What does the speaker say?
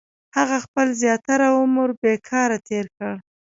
• هغه خپل زیاتره عمر بېکاره تېر کړ.